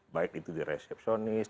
baik itu di resepsionis